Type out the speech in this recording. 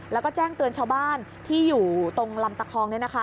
แล้วก็แจ้งเตือนชาวบ้านที่อยู่ตรงลำตะคอง